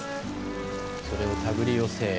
それを手繰り寄せ。